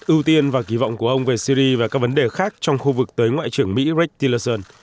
ưu tiên và kỳ vọng của ông về syri và các vấn đề khác trong khu vực tới ngoại trưởng mỹ rekillerson